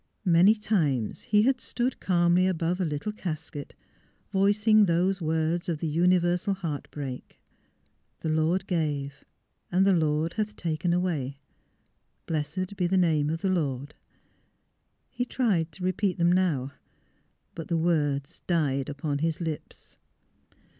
Many times he had stood calmly above a little casket, voicing those words of the universal heart break: " The Lord gave, and the Lord hath taken away; blessed be the name of the Lord! " He tried to repeat them now ; but the words died upon his lips.